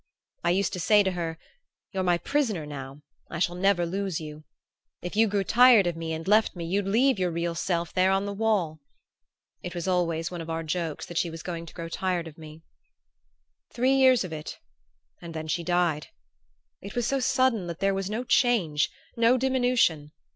I used to say to her, 'You're my prisoner now I shall never lose you. If you grew tired of me and left me you'd leave your real self there on the wall!' It was always one of our jokes that she was going to grow tired of me "Three years of it and then she died. It was so sudden that there was no change, no diminution.